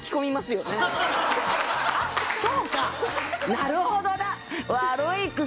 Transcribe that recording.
なるほどだ！